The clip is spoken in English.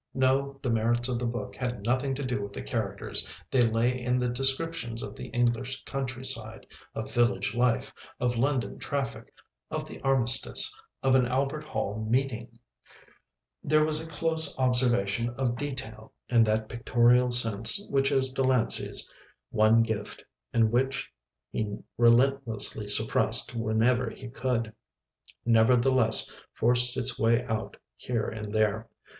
No, the merits of the book had nothing to do with the characters, they lay in the descriptions of the English countryside, of village life, of London traffic, of the Armistice, of an Albert Hall meeting. There was a close observation of detail and that pictorial sense which is Delancey's one gift and which he relentlessly suppressed whenever he could, nevertheless forced its way out here and there.